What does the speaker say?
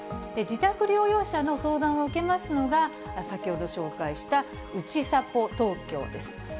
自宅療養者の相談を受けますのが、先ほど紹介した、うちさぽ東京です。